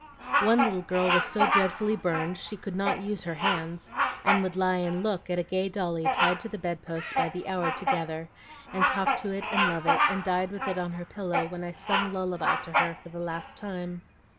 One little girl was so dreadfully burned she could not use her hands, and would lie and look at a gay dolly tied to the bedpost by the hour together, and talk to it and love it, and died with it on her pillow when I 'sung lullaby' to her for the last time.